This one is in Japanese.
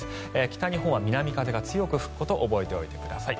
北日本は南風が強く吹くことを覚えておいてください。